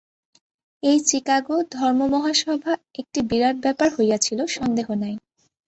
এই চিকাগো ধর্মমহাসভা একটি বিরাট ব্যাপার হইয়াছিল, সন্দেহ নাই।